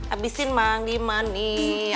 abisin mandiman nih